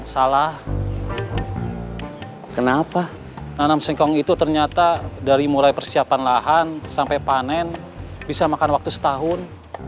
salah kenapa nanam singkong itu ternyata dari mulai persiapan lahan sampai panen bisa makan waktu setahun